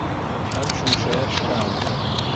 ئەم شووشەیە شکاوە.